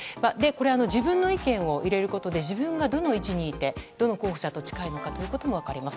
自分の意見を入れることで自分がどの位置にいてどの候補者と近いのかということも分かります。